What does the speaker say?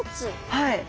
はい。